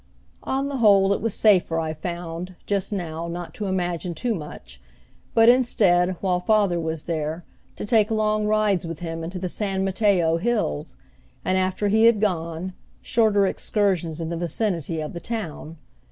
On the whole it was safer, I found, just now not to imagine too much, but instead, while father was there, to take long rides with him into the San Mateo Hills; and, after he had gone, shorter excursions in the vicinity of the town.